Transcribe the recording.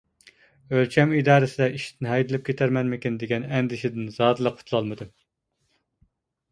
ئۆلچەم ئىدارىسىدە ئىشتىن ھەيدىلىپ كېتەرمەنمىكىن دېگەن ئەندىشىدىن زادىلا قۇتۇلالمىدىم.